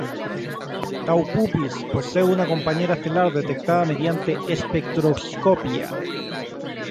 Tau Puppis posee una compañera estelar detectada mediante espectroscopia.